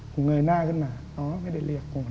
ผมเงยหน้าขึ้นมาอ๋อไม่ได้เรียกก่อน